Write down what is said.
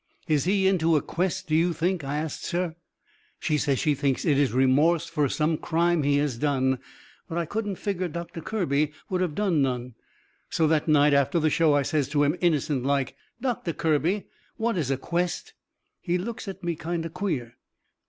"Is he into a quest, do you think?" I asts her. She says she thinks it is remorse fur some crime he has done. But I couldn't figger Doctor Kirby would of done none. So that night after the show I says to him, innocent like: "Doctor Kirby, what is a quest?" He looks at me kind of queer.